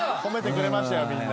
褒めてくれましたよ。